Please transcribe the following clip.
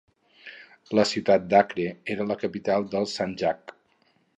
La ciutat d'Acre era la capital dels sanjaq.